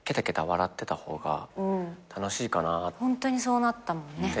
ホントにそうなったもんね。